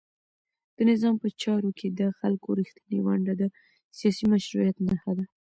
د نظام په چارو کې د خلکو رښتینې ونډه د سیاسي مشروعیت نښه ده.